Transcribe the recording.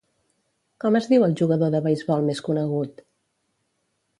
Com es diu el jugador de beisbol més conegut?